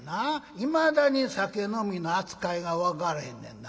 いまだに酒飲みの扱いが分からへんねんな。